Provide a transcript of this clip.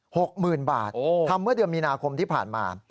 หกหมื่นบาทโอ้ทำเมื่อเดือนมีนาคมที่ผ่านมา